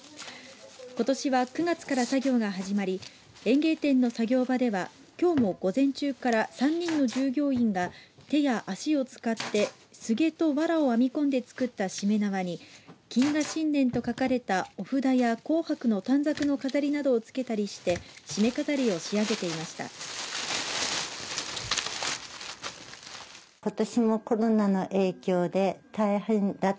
ことしは９月から作業が始まり園芸店の作業場ではきょうも午前中から、３人の従業員が、手や足を使ってスゲとワラを編み込んで作ったしめ縄に謹賀新年と書かれたお札や、紅白の短冊の飾りなどをつけたりしてしめ飾りを仕上げていました。